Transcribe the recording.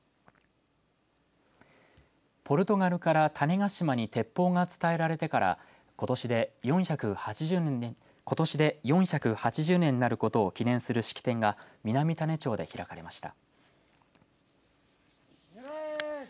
ポルトガルから種子島に鉄砲が伝えられてからことしで４８０年になることを記念する式典が南種子町で開かれました。